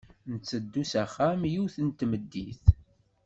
Ntteddu s axxam yiwet n tmeddit.